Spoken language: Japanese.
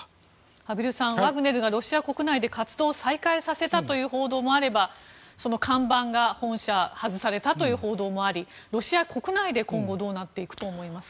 畔蒜さん、ワグネルがロシア国内で活動を再開させたという報道もあれば本社の看板が外されたという報道もありロシア国内で今後どうなっていくと思いますか？